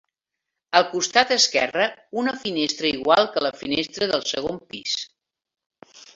Al costat esquerre, una finestra igual que la finestra del segon pis.